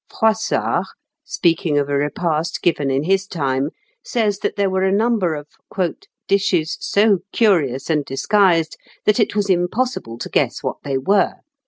Froissart, speaking of a repast given in his time, says that there were a number of "dishes so curious and disguised that it was impossible to guess what they were."